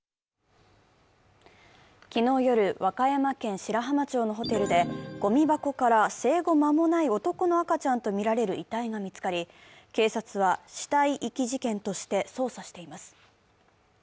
昨日夜、和歌山県白浜町のホテルでごみ箱から生後間もない男の赤ちゃんとみられる遺体が見つかり警察は死体遺棄事件として捜査しています。